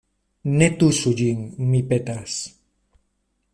Ne tuŝu ĝin, mi petas.